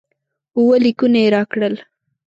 اووه لیکونه یې راکړل.